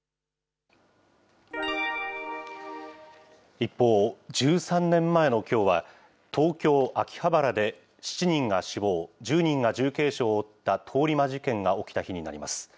一方、１３年前のきょうは、東京・秋葉原で７人が死亡、１０人が重軽傷を負った通り魔事件が起きた日になります。